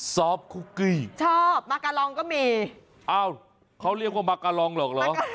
ซอฟคุกกี้ชอบมากะลองก็มีอ้าวเขาเรียกว่ามากะลองหรอกเหรอ